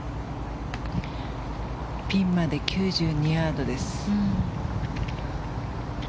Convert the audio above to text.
ピンまで９２ヤードです。